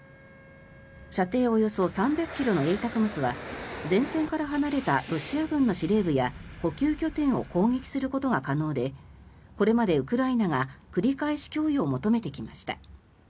射程およそ３００ｋｍのＡＴＡＣＭＳは前線から離れたロシア軍の司令部や補給拠点を攻撃することが可能でこれまでウクライナが繰り返し供与を求めてきました。